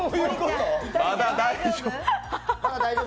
まだ大丈夫。